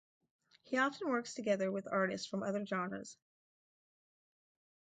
He often works together with artists from other genres.